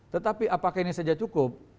tetapi apakah ini saja cukup